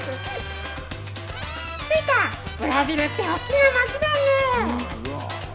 着いたブラジルって大きな街だね。